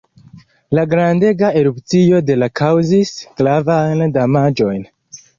La grandega erupcio de la kaŭzis gravajn damaĝojn.